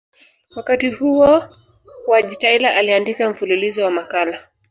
Wakati huo Wojtyla aliandika mfululizo wa makala